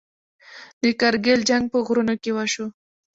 د کارګیل جنګ په غرونو کې وشو.